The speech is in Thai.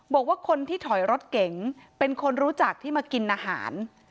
บอกว่าคนที่ถอยรถเก๋งเป็นคนรู้จักที่มากินอาหาร